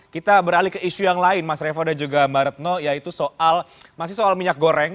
kita beralih ke isu yang lain mas revo dan juga mbak retno yaitu soal masih soal minyak goreng